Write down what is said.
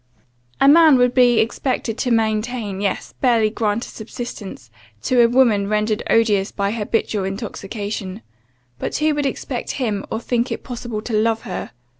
"A man would only be expected to maintain; yes, barely grant a subsistence, to a woman rendered odious by habitual intoxication; but who would expect him, or think it possible to love her?